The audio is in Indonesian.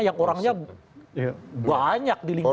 yang orangnya banyak di lingkungan